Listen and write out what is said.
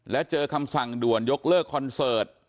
และเจอคำสั่งด่วนยกเลิกคอนเสิร์ต